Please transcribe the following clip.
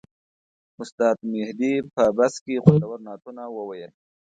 استاد مهدي په بس کې خوندور نعتونه وویل.